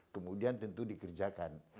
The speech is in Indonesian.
kemudian tentu dikerjakan